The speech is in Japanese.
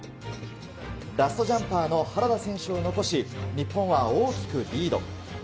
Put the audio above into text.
ラストジャンパーの原田選手を残し、日本は大きくリード。